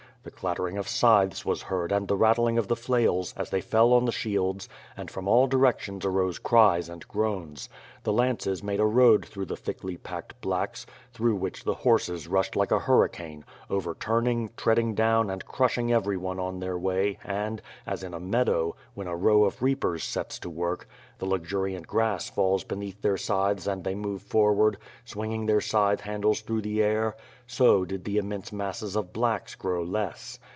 The clattering of scythes was heard and the rattling of the flails, as they fell on the shields, and from all directions arose cries and groans. The lances made a road through the thickly packed ^Hblacks,'^ through which the horses rushed like a hurricane; overturning, treading down and crushing everyone on their way and, as in a meadow, when a row of reapers sets to work, the luxuriant grass falls beneath their scythes and they move forward, swinging their scythe handles through the air, so did the immense masses of ^Tblacks" grow less.